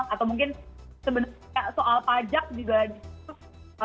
atau mungkin sebenarnya soal pajak juga